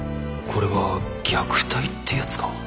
これは虐待ってやつか？